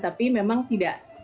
tapi memang tidak